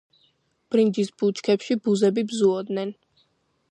ბრინჯის ბუჩქებში ბუზები ბზუოდნენ.